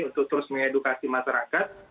untuk terus mengedukasi masyarakat